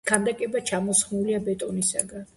ქანდაკება ჩამოსხმულია ბეტონისაგან.